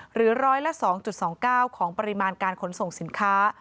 หรือร้อยละ๒๒๙ของปริมาณการขนส่งสินค้า